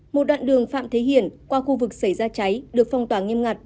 một đoạn đường phạm thế hiển qua khu vực xảy ra cháy được phong tỏa nghiêm ngặt